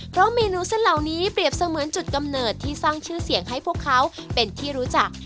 เพราะเมนูเส้นเหล่านี้เปรียบเสมือนจุดกำเนิดที่สร้างชื่อเสียงให้พวกเขาเป็นที่รู้จัก